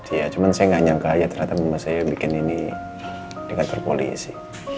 iya cuma saya nggak nyangka ya ternyata mama saya bikin ini di kantor polisi